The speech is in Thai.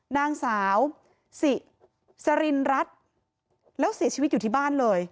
นางสาวสิสรินรัฐแล้วเสียชีวิตอยู่ที่บ้านเลย